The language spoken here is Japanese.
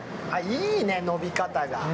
いいね、伸び方が。